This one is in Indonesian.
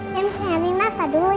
ya misalnya rena tadi dulu ya